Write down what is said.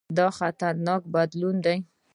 دا خطرناک بدلون دی.